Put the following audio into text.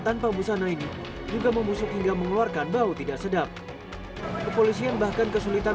tanpa busana ini juga membusuk hingga mengeluarkan bau tidak sedap kepolisian bahkan kesulitan